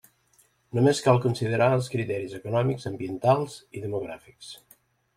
Només cal considerar els criteris econòmics, ambientals i demogràfics.